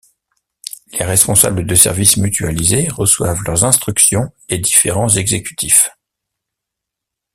Les responsables de service mutualisé reçoivent leurs instructions des différents exécutifs.